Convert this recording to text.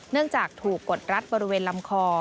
เนื่องจากถูกกดรัดบริเวณลำคอ